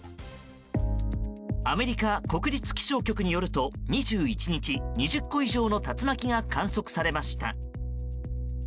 アメリカ国立気象局によると２１日２０個以上の竜巻が観測されました。